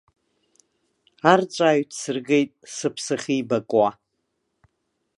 Арҵәаа ҩҭсыргеит, сыԥсахы еибакуа.